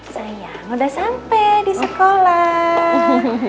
sayang udah sampai di sekolah